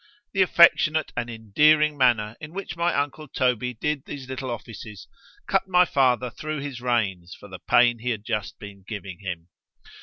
——The affectionate and endearing manner in which my uncle Toby did these little offices—cut my father thro' his reins, for the pain he had just been giving him.